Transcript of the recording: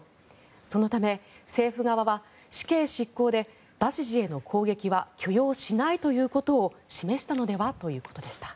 そのため政府側は死刑執行でバシジへの攻撃は許容しないということを示したのではということでした。